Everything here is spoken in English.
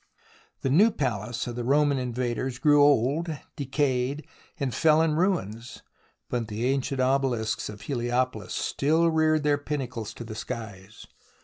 The new palace of the Roman invaders grew old, decayed, and fell in ruins, but the ancient obelisks of Heliopolis still reared their pinnacles to the skies.